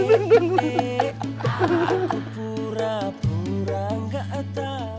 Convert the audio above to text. aku pura pura nggak tahu